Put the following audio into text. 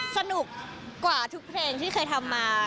สนุกกว่าทุกเพลงที่เคยทำมา